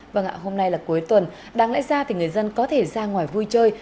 vâng ạ hôm nay là cuối tuần đáng lẽ ra thì người dân có thể ra ngoài vui chơi